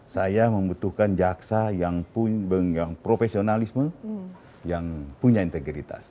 saya membutuhkan jaksa yang punya profesionalisme yang punya integritas